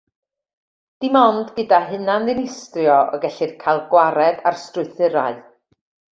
Dim ond gyda hunan-ddinistrio y gellir cael gwared ar strwythurau.